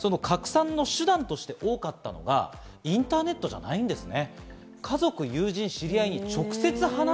拡散の手段として多かったのがインターネットじゃないんですね。